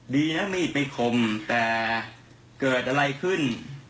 ดีนะมีดไปคมแต่เกิดอะไรขึ้น